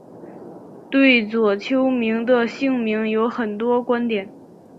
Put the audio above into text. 对左丘明的姓名有很多观点。